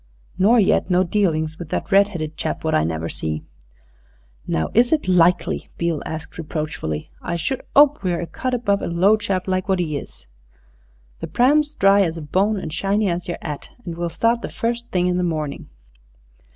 "Nor yet no dealings with that redheaded chap what I never see?" "Now, is it likely?" Beale asked reproachfully. "I should 'ope we're a cut above a low chap like wot 'e is. The pram's dry as a bone and shiny as yer 'at, and we'll start the first thing in the morning."